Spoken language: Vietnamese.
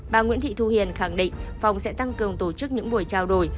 bà nguyễn thị thu hiền khẳng định phòng sẽ tăng cường tổ chức những buổi trao đổi